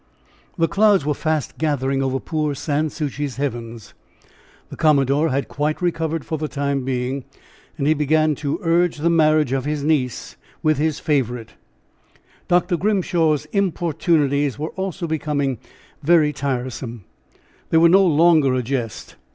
The clouds were fast gathering over poor San Souci's heavens. The commodore had quite recovered for the time being, and he began to urge the marriage of his niece with his favorite. Dr. Grimshaw's importunities were also becoming very tiresome. They were no longer a jest.